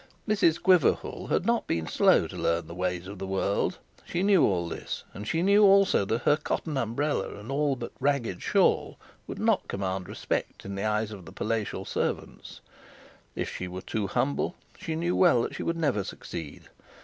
Mrs Quiverful had not been slow to learn the ways of the world. She knew all this, and she knew also that her cotton umbrella and all but ragged shawl would not command respect in the eyes of the palace servants. If she were too humble, she knew well that she would never succeed.